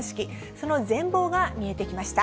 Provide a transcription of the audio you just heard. その全貌が見えてきました。